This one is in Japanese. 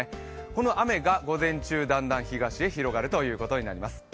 この雨が午前中、だんだん東へ広がるということになります。